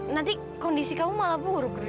nanti kondisi kamu malah buruk